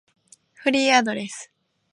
フリーアドレス